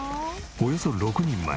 およそ６人前。